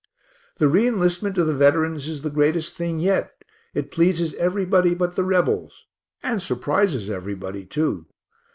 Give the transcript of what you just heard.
The re enlistment of the veterans is the greatest thing yet; it pleases everybody but the Rebels and surprises everybody too.